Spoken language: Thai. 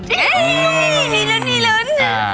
เย้ยยมีล้นมีล้น